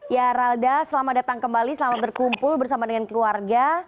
ya ralda selamat datang kembali selamat berkumpul bersama dengan keluarga